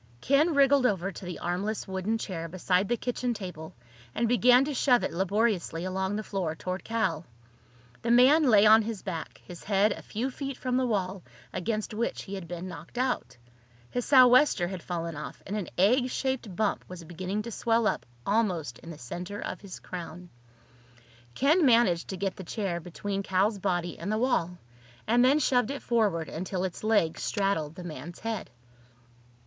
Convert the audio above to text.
Ken wriggled over to the armless wooden chair beside the kitchen table and began to shove it laboriously along the floor toward Cal. The man lay on his back, his head a few feet from the wall against which he had been knocked out. His sou'wester had fallen off, and an egg shaped bump was beginning to swell up almost in the center of his crown. Ken managed to get the chair between Cal's body and the wall, and then shoved it forward until its legs straddled the man's head.